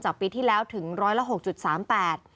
จากปีที่แล้วถึง๑๐๖๓๘บาท